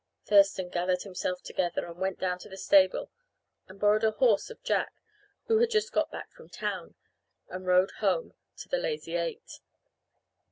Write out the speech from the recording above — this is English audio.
Thurston gathered himself together and went down to the stable and borrowed a horse of Jack, who had just got back from town, and rode home to the Lazy Eight.